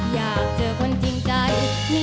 อยากเจอคนจริงใจ